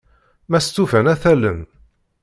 Ma stufan, ad t-allen.